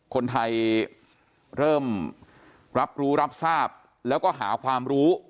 คนไทยเริ่มรับรู้รับทราบแล้วก็หาความรู้